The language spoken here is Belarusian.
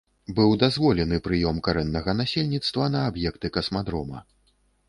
Быў дазволены прыём карэннага насельніцтва на аб'екты касмадрома.